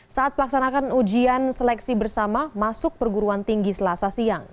saat pelaksanaan ujian seleksi bersama masuk perguruan tinggi selasa siang